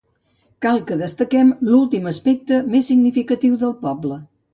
Cal que destaquem l'últim aspecte més significatiu del poble.